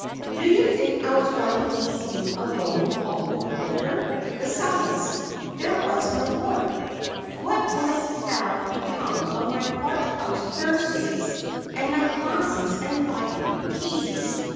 "Do you think I was going to leave you alone all the winter? Besides, there was my work. What would have become of my Porch House Thursdays, and my classes and Library teas?